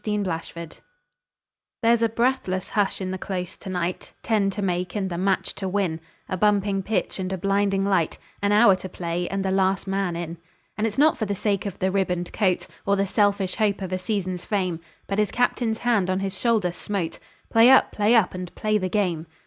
Vitaï Lampada There's a breathless hush in the Close to night Ten to make and the match to win A bumping pitch and a blinding light, An hour to play and the last man in. And it's not for the sake of a ribboned coat, Or the selfish hope of a season's fame, But his Captain's hand on his shoulder smote "Play up! play up! and play the game!"